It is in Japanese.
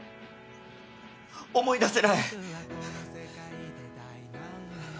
思い出せない！